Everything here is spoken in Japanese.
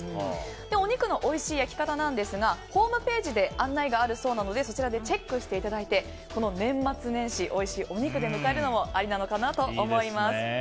お肉のおいしい焼き方ですがホームページで案内があるようですのでそちらでチェックしてもらってこの年末年始おいしいお肉で迎えるのもありなのかなと思います。